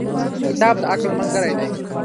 • کتاب د عقل ملګری دی.